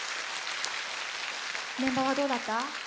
メンバーはどうだった？